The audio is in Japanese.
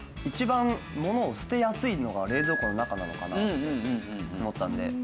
一番ものを捨てやすいのが冷蔵庫の中なのかなって思ったんで。